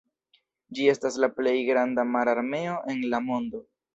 Ĝi estas la plej granda mararmeo en la mondo.